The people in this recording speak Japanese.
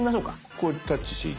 これタッチしていい？